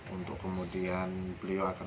untuk kemudian beliau akan